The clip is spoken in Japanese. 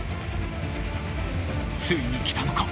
［ついにきたのか］